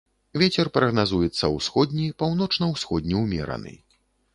Вецер прагназуецца ўсходні, паўночна-ўсходні ўмераны.